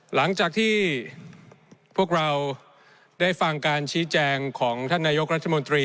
หลังจากที่พวกเราได้ฟังการชี้แจงของท่านนายกรัฐมนตรี